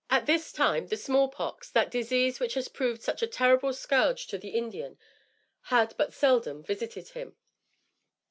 At this time the small pox, that disease which has proved such a terrible scourge to the Indian, had but seldom visited him.